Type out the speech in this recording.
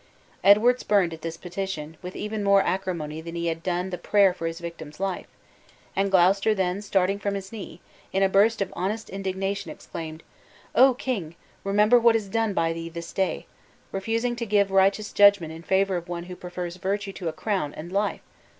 Edward spurned at this petition with even more acrimony than he had done the prayer for his victim's life, and Gloucester then starting from his knee, in a burst of honest indignation exclaimed, "Oh! king, remember what is done by thee this day. Refusing to give righteous judgment in favor of one who prefers virtue to a crown and life!